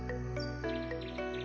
mari kita lihat bahwa dapat dapat